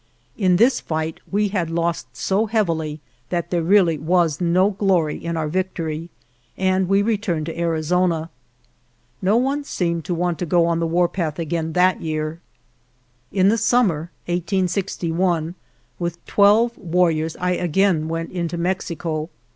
In this fight we had lost so heavily that there really was no glory in our victory, and we returned to Arizona. No one seemed to want to go on the warpath again that year. In the summer (1861) with twelve war riors I again went into Mexico.